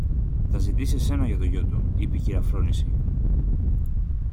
Θα ζητήσει εσένα για το γιο του, είπε η κυρα-Φρόνηση.